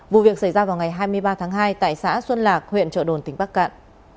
vụ việc xảy ra vào ngày hai mươi ba tháng hai tại xã xuân lạc huyện trợ đồn tỉnh bắc cạn